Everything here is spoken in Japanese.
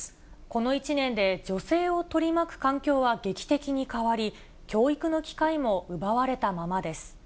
この１年で女性を取り巻く環境は劇的に変わり、教育の機会も奪われたままです。